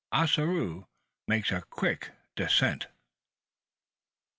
OSSAROO MAKES A QUICK DESCENT.